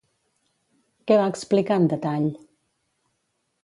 Què va explicar en detall?